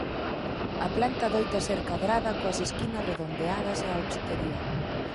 A planta adoita ser cadrada coas esquinas redondeadas ao exterior.